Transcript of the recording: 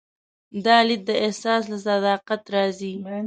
دا لید د احساس له صداقت راځي.